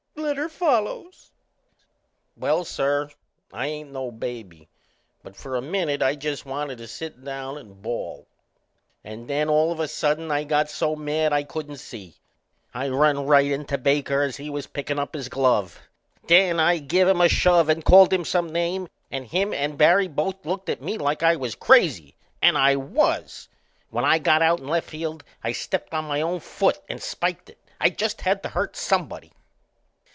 Letter follows." Well, sir, I ain't no baby, but for a minute I just wanted to sit down and bawl. And then, all of a sudden, I got so mad I couldn't see. I run right into Baker as he was pickin' up his glove. Then I give him a shove and called him some name, and him and Barry both looked at me like I was crazy and I was. When I got out in left field I stepped on my own foot and spiked it. I just had to hurt somebody.